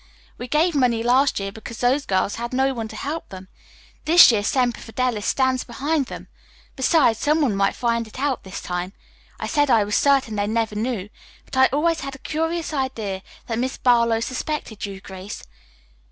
We gave money last year because those girls had no one to help them. This year Semper Fidelis stands behind them. Besides, some one might find it out this time. I said I was certain they never knew, but I always had a curious idea that Miss Barlow suspected you, Grace.